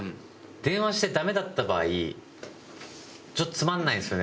電話してダメだった場合ちょっとつまんないですよね